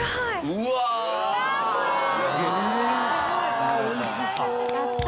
うわおいしそう！